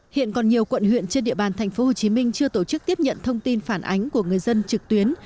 hiện còn nhiều quận huyện trên địa bàn tp hcm chưa tổ chức tiếp nhận thông tin phản ánh của người dân trực tuyến